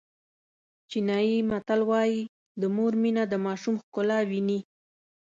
چینایي متل وایي د مور مینه د ماشوم ښکلا ویني.